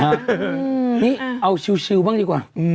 เอ้อนี้เอาชิวบ้างดีกว่า